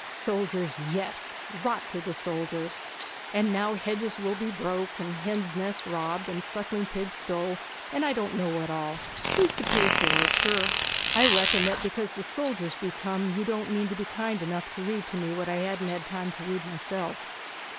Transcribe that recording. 'Soldiers, yes rot the soldiers! And now hedges will be broke, and hens' nests robbed, and sucking pigs stole, and I don't know what all. Who's to pay for't, sure? I reckon that because the soldiers be come you don't mean to be kind enough to read to me what I hadn't time to read myself.'